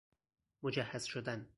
مجهز شدن